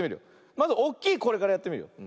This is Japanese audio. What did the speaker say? まずおっきいこれからやってみるよ。